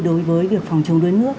đối với việc phòng chống đuối nước